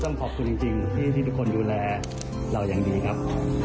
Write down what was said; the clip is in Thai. ขอบคุณจริงที่ทุกคนดูแลเราอย่างดีครับ